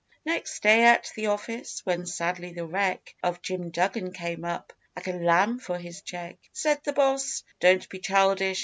Next day at the office, when sadly the wreck Of Jim Duggan came up like a lamb for his cheque, Said the Boss, 'Don't be childish!